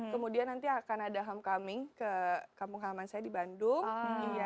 kemudian nanti akan ada hamcoming ke kampung halaman saya di bandung